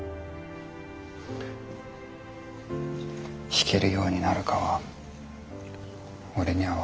弾けるようになるかは俺には分からない。